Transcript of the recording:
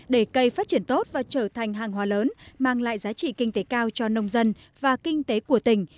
để cây phát triển tốt và trở thành hàng hóa lớn mang lại giá trị kinh tế cao cho nông dân và kinh tế của tỉnh